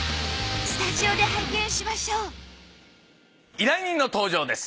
スタジオで拝見しましょう依頼人の登場です。